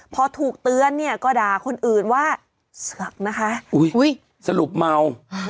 พอถูกเตือนเนี่ยก็ด่าคนอื่นว่าเสือกนะคะสรุปเมา